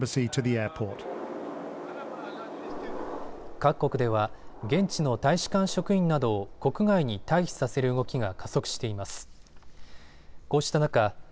各国では現地の大使館職員などを国外に退避させる動きが加速しています。